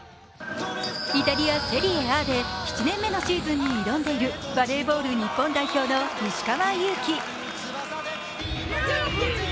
イタリア・セリエＡで７年目のシーズンに挑んでいるバレーボール日本代表の石川祐希。